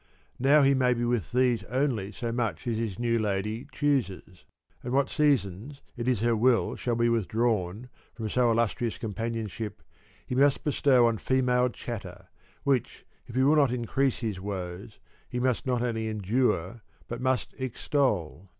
Now he may be with these only so much as his new lady chooses ; and what seasons it is her will shall be withdrawn from so illustrious 23 companionship, he must bestow on female chatter, which, if he will not increase his woes, he must not only endure but must extol.